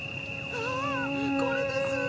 あこれです！